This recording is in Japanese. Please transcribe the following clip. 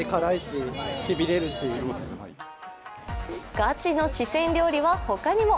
ガチの四川料理はほかにも。